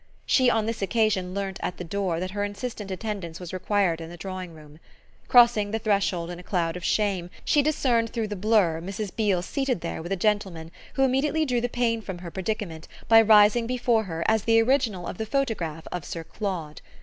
She on this occasion learnt at the door that her instant attendance was requested in the drawing room. Crossing the threshold in a cloud of shame she discerned through the blur Mrs. Beale seated there with a gentleman who immediately drew the pain from her predicament by rising before her as the original of the photograph of Sir Claude.